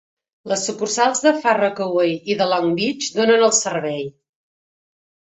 Les sucursals de Far Rockaway i de Long Beach donen el servei.